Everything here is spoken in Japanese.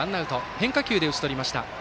変化球で打ち取りました。